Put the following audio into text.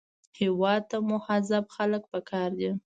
هېواد ته مهذب خلک پکار دي